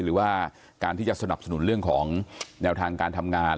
หรือว่าการที่จะสนับสนุนเรื่องของแนวทางการทำงาน